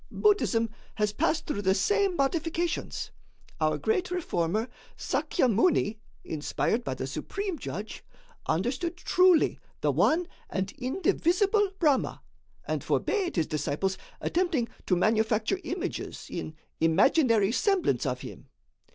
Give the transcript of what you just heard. Buddhism has passed through the same modifications. Our great reformer, Sakya Muni, inspired by the Supreme Judge, understood truly the one and indivisible Brahma, and forbade his disciples attempting to manufacture images in imaginary semblance of him.